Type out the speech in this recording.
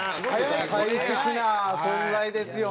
大切な存在ですよね！